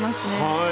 はい。